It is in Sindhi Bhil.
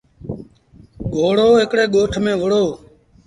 گھوڙو هڪڙي ڳوٺ ميݩ وهُڙو۔